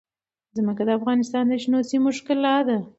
ځمکه د افغانستان د شنو سیمو ښکلا ده.